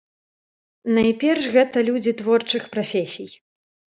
Найперш гэта людзі творчых прафесій.